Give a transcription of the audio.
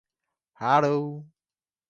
Hello